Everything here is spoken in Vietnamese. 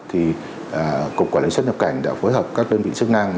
thì cục quản lý xuất nhập cảnh đã phối hợp các đơn vị chức năng